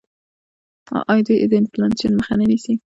آیا دوی د انفلاسیون مخه نه نیسي؟